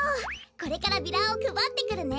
これからビラをくばってくるね！